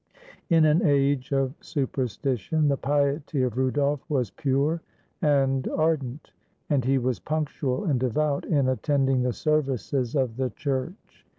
In an age of superstition, the piety of Rudolf was pure and ardent; and he was punctual and devout in attend ing the services of the Church.